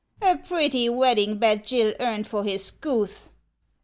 A pretty wedding bed Gill earned for his Gutli